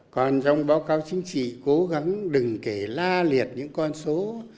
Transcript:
còn trong báo cáo chính trị cố gắng đừng kể la liệt những con số